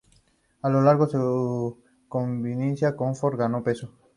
A lo largo de su convivencia, Cornforth ganó peso.